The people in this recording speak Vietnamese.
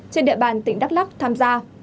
trên địa bàn tỉnh đắk lắk tham gia